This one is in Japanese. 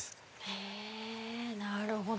へぇなるほど。